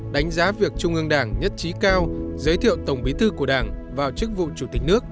đánh giá việc trung ương đảng nhất trí cao giới thiệu tổng bí thư của đảng vào chức vụ chủ tịch nước